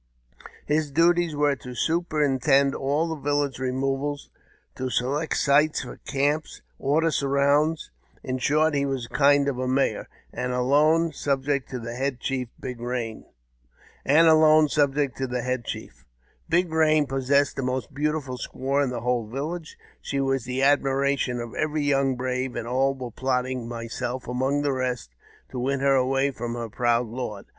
His duties were to superintend all the village removals, to select sites for camps, order surrounds ; in short, he was a kind of mayor, and alone subject to the head chief. Big Eain possessed the most beautiful squaw in the whole village ; she was the admiration of every young brave, and all were plotting (myself among the rest) to win her away from her proud lord.